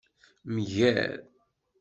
Mger.